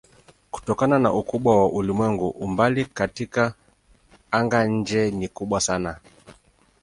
Kutokana na ukubwa wa ulimwengu umbali katika anga-nje ni kubwa sana.